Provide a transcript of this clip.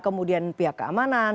kemudian pihak keamanan